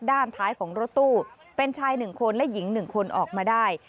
ด้านท้ายของรถตู้เป็นชาย๑คนและหญิง๑คนออกมาได้